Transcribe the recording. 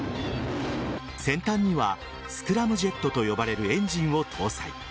先端にはスクラムジェットと呼ばれるエンジンを搭載。